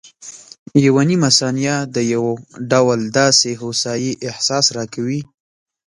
یوه نیمه ثانیه د یو ډول داسې هوسایي احساس راکوي.